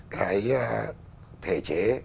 cái thể chế